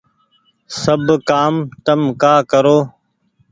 سب ڪآم تم ڪآ ڪرو